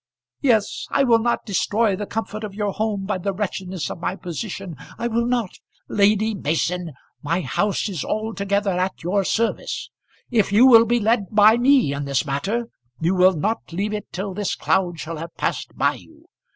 "Yes; I will not destroy the comfort of your home by the wretchedness of my position. I will not " "Lady Mason, my house is altogether at your service. If you will be led by me in this matter, you will not leave it till this cloud shall have passed by you.